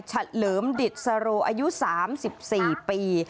ฉัดเหลิมดิจสโรอายุ๓๔ปี